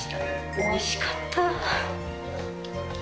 おいしかったー。